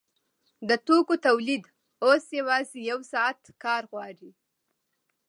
د توکو تولید اوس یوازې یو ساعت کار غواړي